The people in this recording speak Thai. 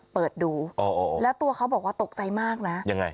เปิดดูแล้วตัวเขาบอกว่าตกใจมากนะยังไง